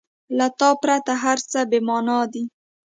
• له تا پرته هر څه بېمانا دي.